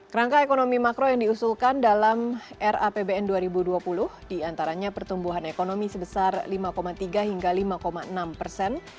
kerangka ekonomi makro yang diusulkan dalam rapbn dua ribu dua puluh diantaranya pertumbuhan ekonomi sebesar lima tiga hingga lima enam persen